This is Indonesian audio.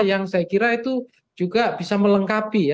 yang saya kira itu juga bisa melengkapi ya